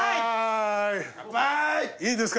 いいですか？